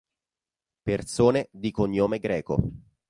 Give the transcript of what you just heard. Persone di cognome Greco